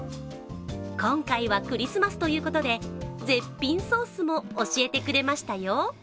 今回はクリスマスということで絶品ソースも教えてくれましたよ。